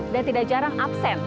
dan tidak jarang absen